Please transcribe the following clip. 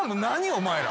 お前ら。